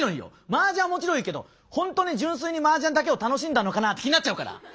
マージャンはもちろんいいけどほんとに純粋にマージャンだけを楽しんだのかなって気になっちゃうから。